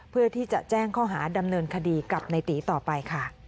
โปรดติดตามตอนต่อไป